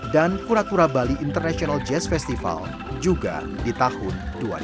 dan kura kura bali international jazz festival juga di tahun dua ribu dua puluh tiga